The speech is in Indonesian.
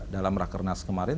dalam rakernas kemarin